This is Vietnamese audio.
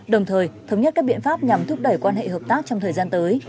đồng thời thống nhất các biện pháp nhằm thúc đẩy quan hệ hợp tác trong thời gian tới